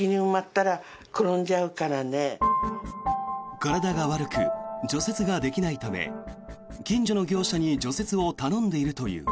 体が悪く、除雪ができないため近所の業者に除雪を頼んでいるという。